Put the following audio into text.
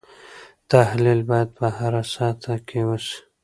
تحلیل باید په هره سطحه کې وسي.